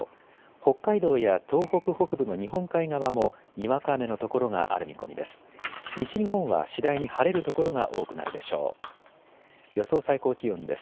北海道や東北北部の日本海側もにわか雨の所がある見込みです。